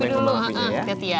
hati hati main kembang apinya ya